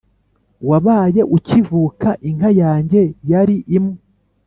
Wabaye ukivuka, Inka yanjye yari imwe